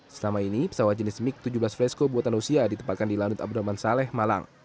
selama ini pesawat jenis mig tujuh belas flasco buatan rusia ditempatkan di lanut abdurrahman saleh malang